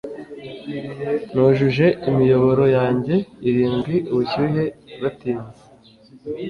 nujuje imiyoboro yanjye irindwi; ubushyuhe bwatinze